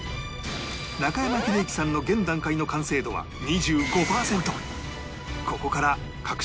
中山秀征さんの現段階の完成度は２５パーセント